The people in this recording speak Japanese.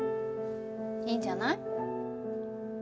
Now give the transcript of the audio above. いいんじゃない？